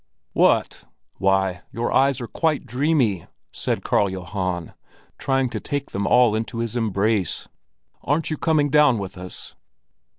"Why, your eyes are quite dreamy!" said Karl Johan, trying to take them all into his embrace. "Aren't you coming down with us?"